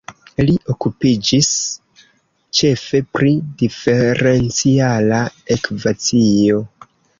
Li okupiĝis ĉefe pri Diferenciala ekvacio.